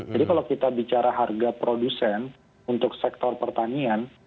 jadi kalau kita bicara harga produsen untuk sektor pertanian